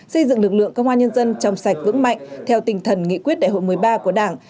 xây dựng lực lượng công an nhân dân trong sạch vững mạnh theo tình thần nghị quyết đại hội một mươi ba của đảng